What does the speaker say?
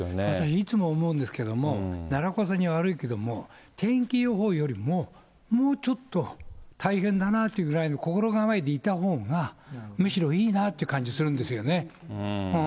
いつも思うんですけれども、奈良岡さんに悪いけども、天気予報よりも、もうちょっと大変だなというぐらいの心構えでいたほうが、むしろいいなって感じするんですよね。